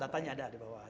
datanya ada di bawah